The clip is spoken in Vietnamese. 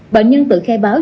bệnh nhân tự khe bệnh